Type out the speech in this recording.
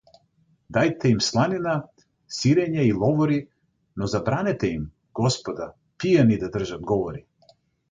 Дајте им сланина, сирење и ловори, но забранете им, господа, пијани да држат говори!